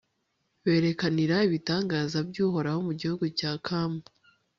berekanira ibitangaza by'uhoraho mu gihugu cya kamu